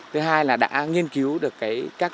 thứ hai là đã nghiên cứu được các nhiệm vụ đó